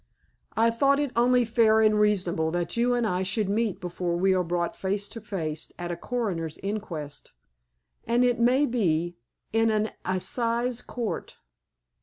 I thought it only fair and reasonable that you and I should meet before we are brought face to face at a coroner's inquest, and, it may be, in an Assize Court....